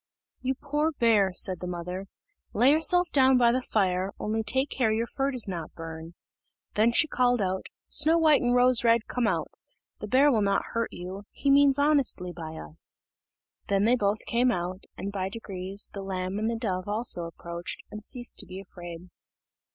"You poor bear," said the mother, "lay yourself down before the fire, only take care your fur does not burn." Then she called out, "Snow white and Rose red, come out; the bear will not hurt you he means honestly by us." Then they both came out, and, by degrees, the lamb and the dove also approached, and ceased to be afraid.